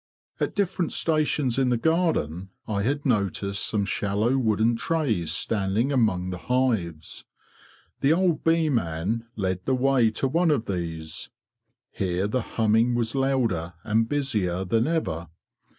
At different stations in the garden I had noticed some shallow wooden trays standing among the hives. The old bee man led the way to one of these. Here the humming was louder and busier than ever.